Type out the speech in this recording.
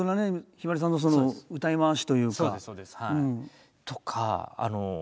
ひばりさんの歌い回しというか。